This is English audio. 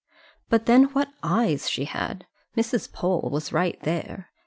But then what eyes she had! Mrs. Pole was right there.